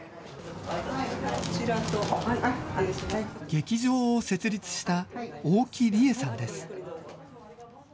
劇場を設立した大木梨恵さんです。